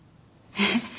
えっ？